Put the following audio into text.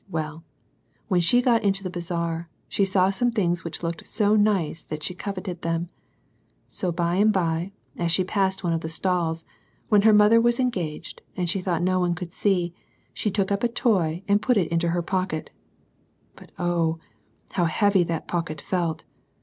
Well, when she got into the Bazaar, she saw some things which looked so very nice that she coveted them. So by and by, as she passed one of the stalls, when her mother was engaged, and she thought no one could see, she took up a toy, and put it into her pocket. But oh, how heavy that pocket felt